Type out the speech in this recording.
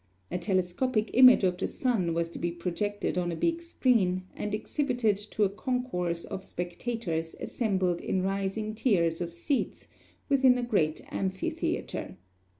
A telescopic image of the sun was to be projected on a big screen, and exhibited to a concourse of spectators assembled in rising tiers of seats within a great amphitheatre.